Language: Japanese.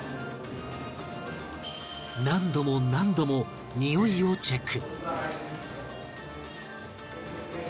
何度も何度もにおいをチェック